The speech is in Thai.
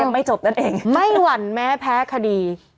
ไม่หวั่นแม้แพ้คดี